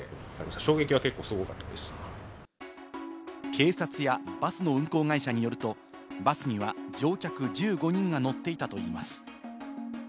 警察やバスの運行会社によると、バスには乗客１５人が乗っていたといいます。